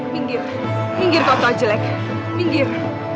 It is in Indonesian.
pinggir pinggir kau kau jelek pinggir